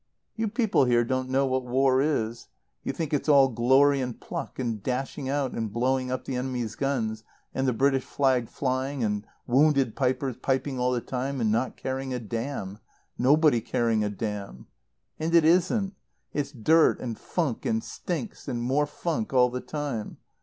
"You people here don't know what war is. You think it's all glory and pluck, and dashing out and blowing up the enemy's guns, and the British flag flying, and wounded pipers piping all the time and not caring a damn. Nobody caring a damn. "And it isn't. It's dirt and funk and stinks and more funk all the time.